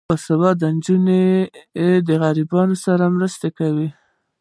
باسواده نجونې د غریبانو سره مرسته کوي.